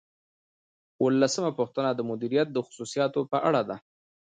اوولسمه پوښتنه د مدیریت د خصوصیاتو په اړه ده.